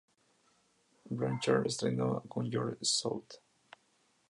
Blanchard entrenó con George South.